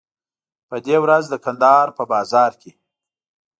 په دې ورځ د کندهار په بازار کې.